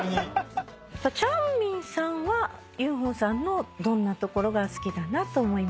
チャンミンさんはユンホさんのどんなところが好きだなと思いますか？